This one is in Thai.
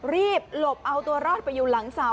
หลบเอาตัวรอดไปอยู่หลังเสา